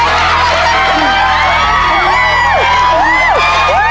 แย่เขาสินะคุณ